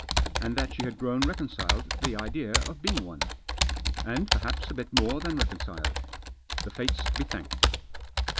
And that she had grown reconciled to the idea of being one. And perhaps a bit more than reconciled. The fates be thanked.